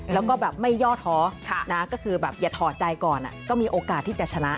แล้วก็แบบไม่ย่อท้อก็คือแบบอย่าถอดใจก่อนก็มีโอกาสที่จะชนะ